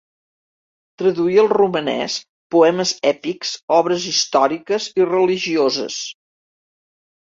Traduí al romanès poemes èpics, obres històriques i religioses.